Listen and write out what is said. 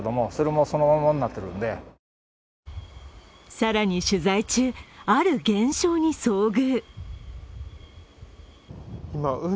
更に取材中ある現象に遭遇。